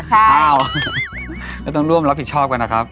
อ้าวก็ต้องร่วมรับผิดชอบกันนะครับ